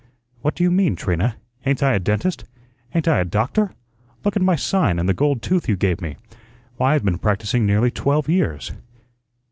"What do you mean, Trina? Ain't I a dentist? Ain't I a doctor? Look at my sign, and the gold tooth you gave me. Why, I've been practising nearly twelve years."